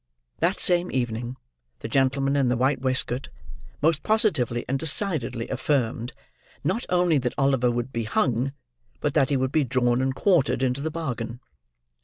That same evening, the gentleman in the white waistcoat most positively and decidedly affirmed, not only that Oliver would be hung, but that he would be drawn and quartered into the bargain.